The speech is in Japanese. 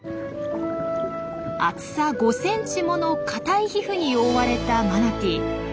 厚さ５センチもの硬い皮膚に覆われたマナティー。